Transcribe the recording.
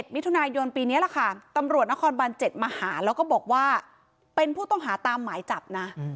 มิถุนายนปีนี้แหละค่ะตำรวจนครบัน๗มาหาแล้วก็บอกว่าเป็นผู้ต้องหาตามหมายจับนะ